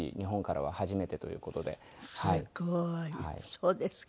そうですか。